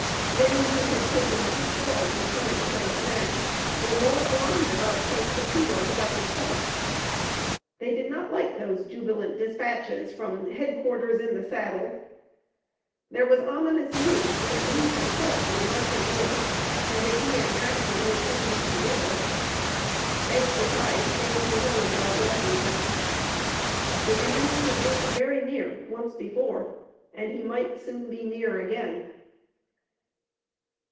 Many who had taken deep thought of the times and of men, were more alarmed about Pope than he was about himself. They did not like those jubilant dispatches from "Headquarters in the Saddle." There was ominous news that Lee himself was marching north, and that he and Jackson would soon be together. Anxious eyes scanned the hills about Washington. The enemy had been very near once before, and he might soon be near again.